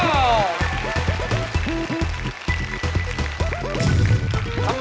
คุณต้องเปิดประดาษ